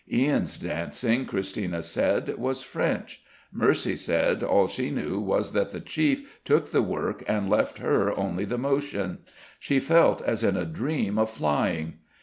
Ian's dancing, Christina said, was French; Mercy said all she knew was that the chief took the work and left her only the motion: she felt as in a dream of flying.